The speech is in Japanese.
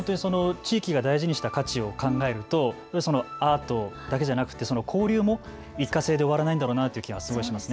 地域が大事にした価値を考えるとアートだけじゃなくて交流も一過性で終わらないんだろうなという気がします。